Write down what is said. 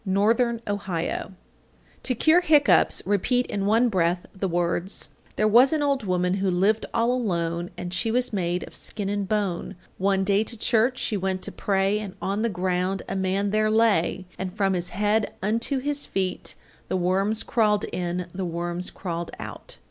Northern Ohio. 845. To cure hiccoughs repeat in one breath the words, There was an old woman who lived all alone, And she was made of skin and bone. One day to church she went to pray, And on the ground a man there lay, And from his head unto his feet The worms crawled in, the worms crawled out.